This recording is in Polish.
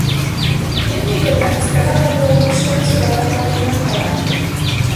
Niemniej jednak wskazane byłoby przyjąć rolę koordynatora